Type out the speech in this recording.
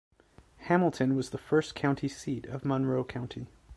Hamilton was the first county seat of Monroe County.